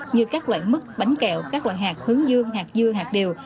như các loại mứt bánh kẹo các loại hạt hướng dương hạt dưa hạt điều